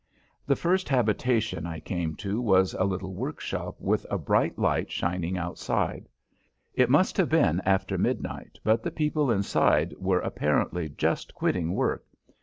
The first habitation I came to was a little workshop with a bright light shining outside. It must have been after midnight, but the people inside were apparently just quitting work.